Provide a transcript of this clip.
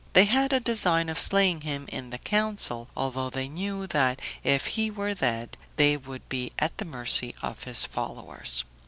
They had a design of slaying him in the council, although they knew that if he were dead, they would be at the mercy of his followers.